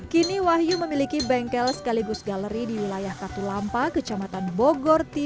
kini wahyu memiliki bengkel sekaligus galeri di wilayah katulampa kecamatan bogor timur